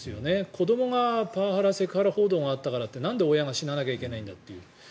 子どもがパワハラ、セクハラ報道があったからといってなんで親が死ななきゃいけないんだという。